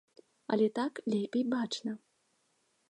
Але так лепей бачна.